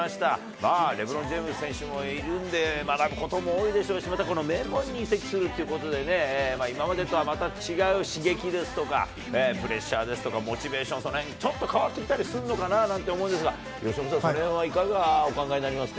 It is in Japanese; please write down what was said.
まあレブロン・ジェームズ選手もいるんで、学ぶことも多いですし、またこの名門に移籍するということで、今までとはまた違う刺激ですとかプレッシャーですとかモチベーション、そのへん、ちょっと変わってきたりするのかななんて思うんですが、由伸さん、そのへんはいかがお考えになりますか。